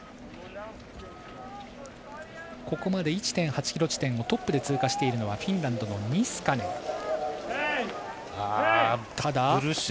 ここまで１．８ｋｍ地点をトップで通過しているのはフィンランドのニスカネン。